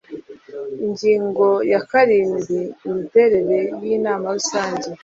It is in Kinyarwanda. Ingingo ya karindwi Imiterere y Inama Rusange